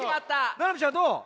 ななみちゃんどう？